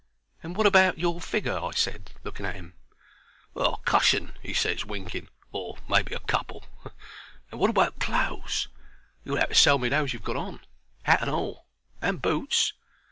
"And wot about your figger?" I ses, looking at 'im. "A cushion," he ses, winking, "or maybe a couple. And what about clothes? You'll 'ave to sell me those you've got on. Hat and all. And boots."